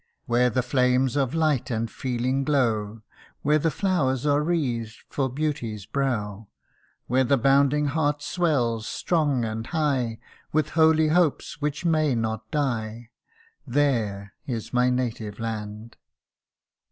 Where the flames of light and feeling glow ; Where the flowers are wreathed for beauty's brow ; Where the bounding heart swells strong and high, With holy hopes which may not die There is my native land